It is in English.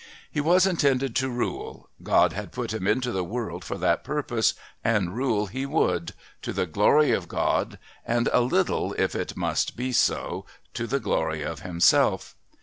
He was intended to rule, God had put him into the world for that purpose, and rule he would to the glory of God and a little, if it must be so, to the glory of himself.